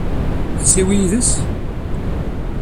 Ad tt-yawi yid-s?